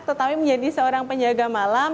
tetapi menjadi seorang penjaga malam